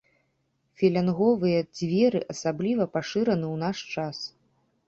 Філянговыя дзверы асабліва пашыраны ў наш час.